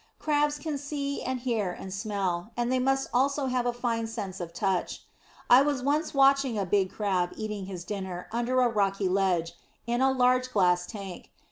Crabs can see and hear and smell; and they must also have a fine sense of touch. I was once watching a big Crab eating his dinner under a rocky ledge in a large glass tank.